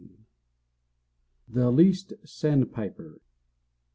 THE LEAST SANDPIPER.